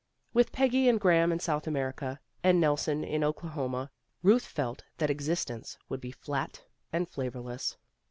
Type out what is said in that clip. With Peggy and Graham in South America, and Nelson in Oklahoma, Euth felt that exist ence would be flat and flavorless.